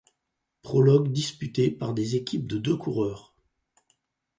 Prologue disputé par des équipes de deux coureurs.